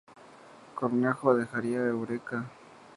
Cornejo dejaría ¡Eureka!